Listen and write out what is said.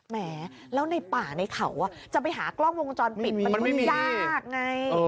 แหมแล้วในป่าในเขาจะไปหากล้องวงจรปิดมันก็ยากไง